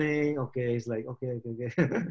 dia kayak oke oke